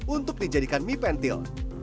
untuk dijadikan mie pentil